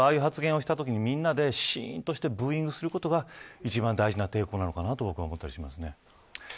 まず、ああいう発言をしたときにみんなでしーんとしてブーイングすることが一番大事な抵抗なのかなと思ったりしますね。